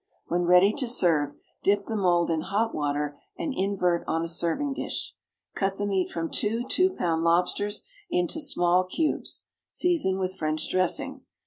When ready to serve, dip the mould in hot water and invert on a serving dish. Cut the meat from two two pound lobsters into small cubes. Season with French dressing.